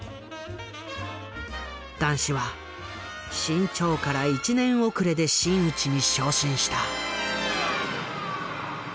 談志は志ん朝から１年遅れで真打ちに昇進した。